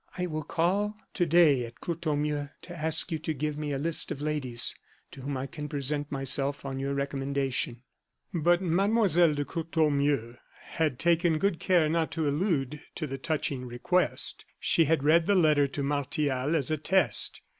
I will call to day at Courtornieu to ask you to give me a list of ladies to whom I can present myself on your recommendation." But Mlle. de Courtornieu had taken good care not to allude to the touching request. She had read the letter to Martial as a test.